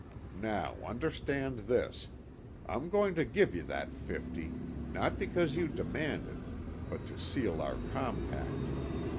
Now understand this, I'm going to give you that fifty, not because you demand it, but to seal our compact.